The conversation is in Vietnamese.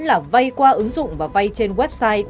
là vay qua ứng dụng và vay trên website